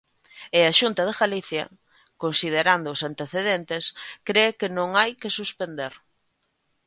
E a Xunta de Galicia considerando os antecedentes cre que non hai que suspender.